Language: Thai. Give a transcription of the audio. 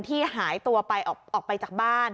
ที่หายตัวไปออกไปจากบ้าน